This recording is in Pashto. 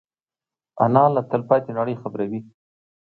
انا له تلپاتې نړۍ خبروي